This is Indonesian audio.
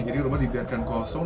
jadi rumah dibiarkan kosong